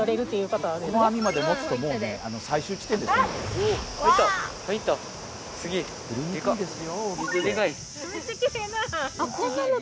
この網まで持つともう最終地点です。